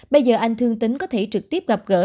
bây giờ anh thương tính có thể trực tiếp gặp gỡ